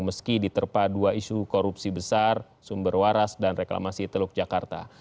meski diterpa dua isu korupsi besar sumber waras dan reklamasi teluk jakarta